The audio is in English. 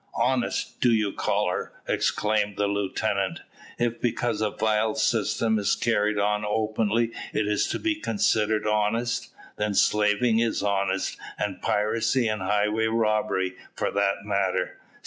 "Honest, do you call her?" exclaimed the lieutenant. "If because a vile system is carried on openly it is to be considered honest, then slaving is honest, and piracy, and highway robbery, for that matter.